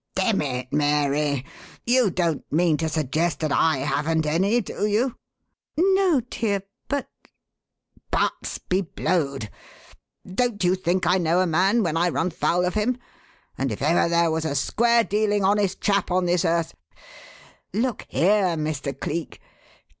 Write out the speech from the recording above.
"Demmit, Mary, you don't mean to suggest that I haven't any, do you?" "No, dear; but " "Buts be blowed! Don't you think I know a man when I run foul of him? And if ever there was a square dealing, honest chap on this earth Look here, Mr. Cleek.